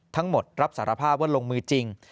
ทั้งหมดรับสารภาพว่าลงมือจริง